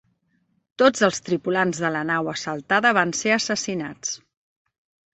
Tots els tripulants de la nau assaltada van ser assassinats.